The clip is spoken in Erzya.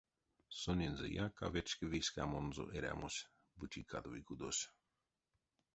Сонензэяк а вечкеви ськамонзо эрямось, бути кадови кудос.